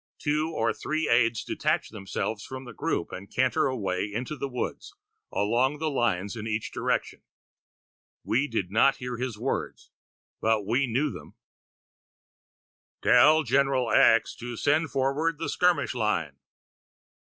Two or three aides detach themselves from the group and canter away into the woods, along the lines in each direction. We did not hear his words, but we knew them: "Tell General X. to send forward the skirmish line."